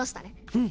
うん。